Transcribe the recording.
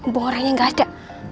bunga orangnya gak ada